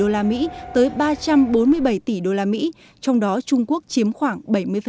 từ bảy tỷ usd tới ba trăm bốn mươi bảy tỷ usd trong đó trung quốc chiếm khoảng bảy mươi